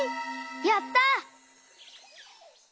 やった！